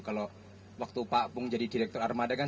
kalau waktu pak apung jadi direktur armada kan